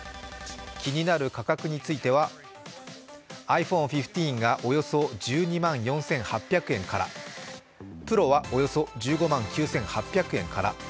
気になる価格についてはｉＰｈｏｎｅ１５がおよそ１２万４８００円からＰｒｏはおよそ１５万９８００円から。